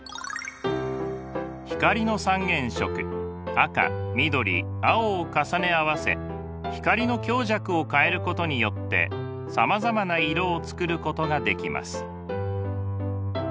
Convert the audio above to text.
光の三原色赤緑青を重ね合わせ光の強弱を変えることによってさまざまな色を作ることができます。